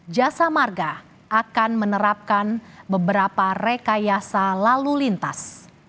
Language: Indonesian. jasa marga akan menerapkan beberapa rekayasa lalu lintas